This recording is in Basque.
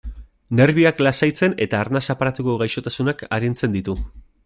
Nerbioak lasaitzen eta arnas aparatuko gaixotasunak arintzen ditu.